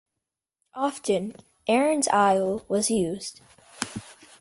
Often, "Erin's Isle" was used.